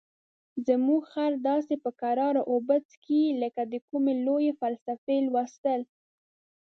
زموږ خر داسې په کراره اوبه څښي لکه د کومې لویې فلسفې لوستل.